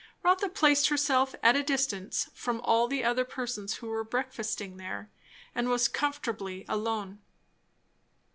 Rotha placed herself at a distance from all the other persons who were breakfasting there, and was comfortably alone.